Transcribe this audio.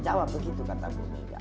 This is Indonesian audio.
jawab begitu kata bu mega